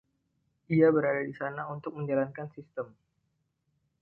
Ia berada di sana untuk menjalankan sistem.